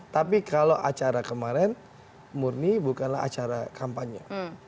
tapi kalau acara kemarin murni bukanlah acara kampanye